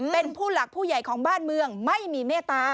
เป็นผู้หลักผู้ใหญ่ของบ้านเมืองไม่มีเมตตา